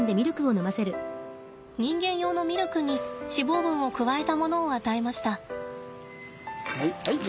人間用のミルクに脂肪分を加えたものを与えました。